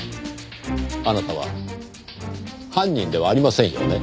あなたは犯人ではありませんよね？